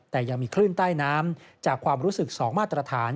แต่ยังมีคลื่นใต้น้ำจากความรู้สึก๒มาตรฐาน